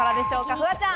フワちゃん。